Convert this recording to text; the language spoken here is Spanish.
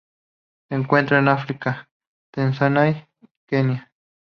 Se encuentran en África: Tanzania y Kenia.